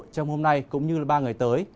trong hôm nay cũng như ba ngày tới